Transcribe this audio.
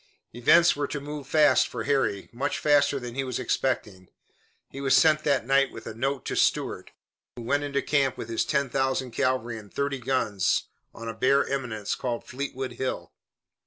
Events were to move fast for Harry, much faster than he was expecting. He was sent that night with a note to Stuart, who went into camp with his ten thousand cavalry and thirty guns on a bare eminence called Fleetwood Hill.